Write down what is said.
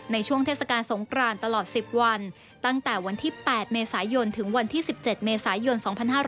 ในช่วงเทศกาลสงกรานตลอด๑๐วันตั้งแต่วันที่๘เมษายนถึงวันที่๑๗เมษายน๒๕๖๐